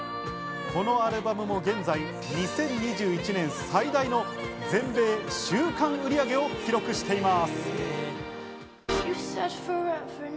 このアルバムも現在、２０２１年最大の全米週間売上を記録しています。